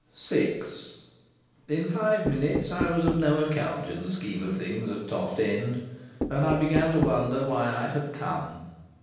VI In five minutes I was of no account in the scheme of things at Toft End, and I began to wonder why I had come.